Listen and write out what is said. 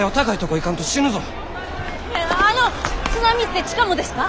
ねえあの津波って地下もですか？